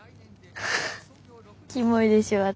フフッキモいでしょ私。